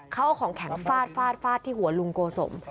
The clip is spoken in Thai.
เขาเอาของแข็งฟาดที่หัวลุงโกสม